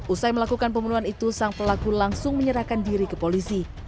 usai melakukan pembunuhan itu sang pelaku langsung menyerahkan diri ke polisi